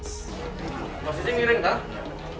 masih miring pak